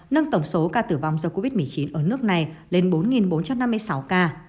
nâng tổng số ca tử vong do covid một mươi chín ở nước này lên bốn bốn trăm năm mươi sáu ca